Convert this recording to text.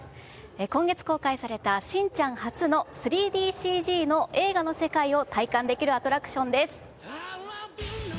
今月公開された『しんちゃん』初の３ＤＣＧの映画の世界を体感できるアトラクションです。